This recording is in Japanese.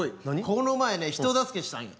この前ね人助けしたんや。